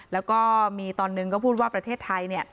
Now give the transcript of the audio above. แล้วก็มีตอนหนึ่งก็พูดว่าประเทศไทยเนี่ย